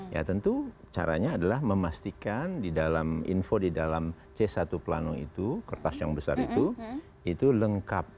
ya tentu caranya adalah memastikan di dalam info di dalam c satu plano itu kertas yang besar itu itu lengkap